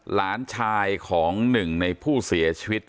หลานชายของหนึ่งในผู้เสียชีวิต